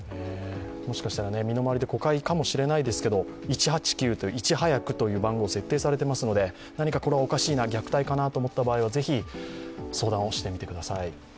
もしかしたら身の回りで誤解かもしれないですけれども、１８９という、いち速くという番号が設定されていますので、何かおかしいな、虐待かなと思った場合は、是非、相談をしてください。